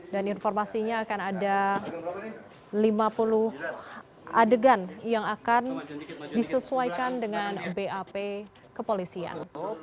dan informasinya akan ada lima puluh adegan yang akan disesuaikan dengan bap kepolisian